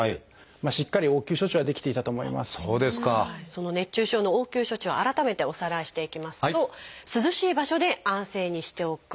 その熱中症の応急処置を改めておさらいしていきますと涼しい場所で安静にしておく。